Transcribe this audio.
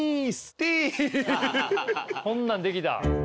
こんなんできた？